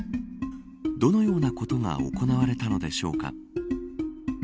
どのようなことが行われたのでしょうか。